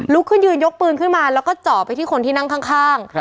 ขึ้นยืนยกปืนขึ้นมาแล้วก็เจาะไปที่คนที่นั่งข้าง